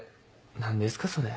何ですかそれ。